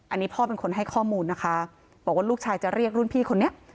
อันนี้พ่อเป็นคนให้ข้อมูลนะคะบอกว่าลูกชายจะเรียกรุ่นพี่คนนี้